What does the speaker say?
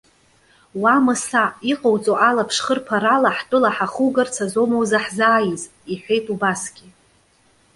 Уа, Мыса! Иҟауҵо алаԥшхырԥарала ҳтәыла ҳахугарц азоума узаҳзааиз?- иҳәеит убасгьы.